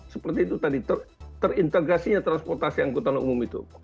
seperti itu tadi terintegrasinya transportasi angkutan umum itu